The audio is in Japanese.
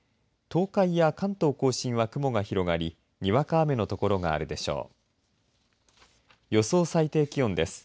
東海や関東甲信は雲が広がりにわか雨の所があるでしょう。